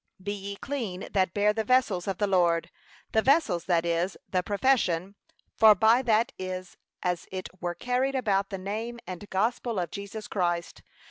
Be ye clean that bear the vessels of the Lord; the vessels, that is, the profession, for by that is as it were carried about the name and gospel of Jesus Christ.